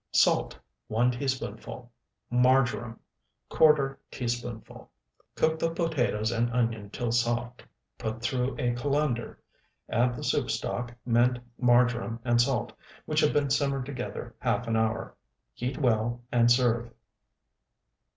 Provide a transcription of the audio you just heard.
Salt, 1 teaspoonful. Marjoram, ¼ teaspoonful. Cook the potatoes and onion till soft. Put through a colander, add the soup stock, mint, marjoram, and salt, which have been simmered together half an hour. Heat well, and serve.